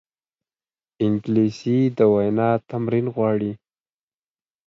انګلیسي د وینا تمرین غواړي